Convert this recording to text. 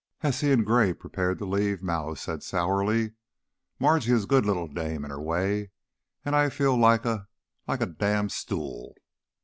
As he and Gray prepared to leave, Mallow said, sourly: "Margie is a good little dame, in her way, and I feel like a like a damned'stool.'"